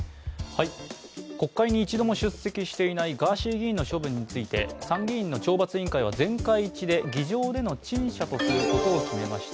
国会に一度も出席していないガーシー議員の処分について参議院の懲罰委員会は全会一致で議場での陳謝とすることを決めました。